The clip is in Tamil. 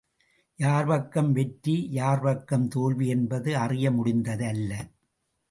யார் பக்கம் வெற்றி, யார் பக்கம் தோல்வி என்பது அறிய முடிந்தது அல்ல.